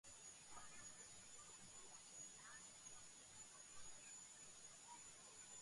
პეტრე მოციქულის შემდეგ სირიის ანტიოქიის პირველი ეპისკოპოსი იყო.